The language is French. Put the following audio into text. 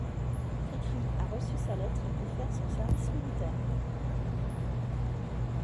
Cri-Cri a reçu sa lettre pour faire son service militaire.